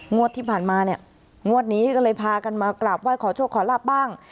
งวดที่ผ่านมาเนี่ยงวดนี้ก็เลยพากันมากราบไหว้ขอโชคขอลาบบ้าง